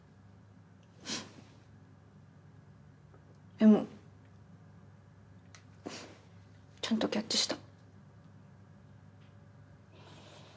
でもちゃんとキャッチした。